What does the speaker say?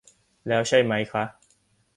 แล้วใช่ไหมคะ